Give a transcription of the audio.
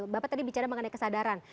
bapak tadi bicara mengenai kesadaran